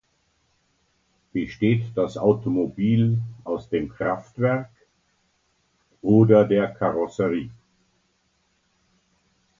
Besteht das Automobil aus dem Kraftwerk oder der Karosserie?